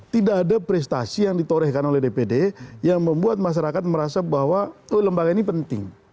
tidak ada prestasi yang ditorehkan oleh dpd yang membuat masyarakat merasa bahwa lembaga ini penting